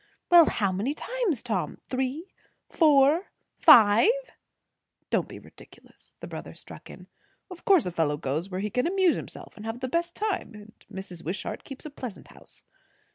Well, how many times, Tom? Three four five." "Don't be ridiculous!" the brother struck in. "Of course a fellow goes where he can amuse himself and have the best time; and Mrs. Wishart keeps a pleasant house."